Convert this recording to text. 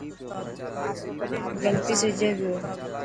غلطي سڄي پيو.